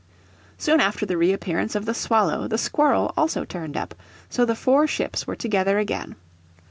Soon after the re appearance of the Swallow the Squirrel also turned up, so the four ships were together again.